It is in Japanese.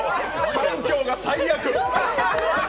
環境が最悪！